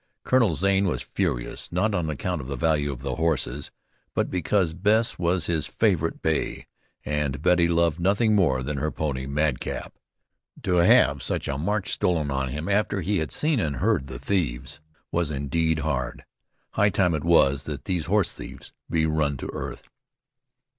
Colonel Zane was furious, not on account of the value of the horses, but because Bess was his favorite bay, and Betty loved nothing more than her pony Madcap. To have such a march stolen on him after he had heard and seen the thieves was indeed hard. High time it was that these horse thieves be run to earth.